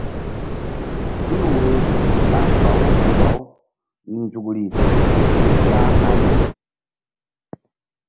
Tul woyri ɓa bawu bawu nzukri ké ƴo ƴah fe hani.